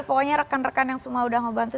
pokoknya rekan rekan yang semua udah ngebantu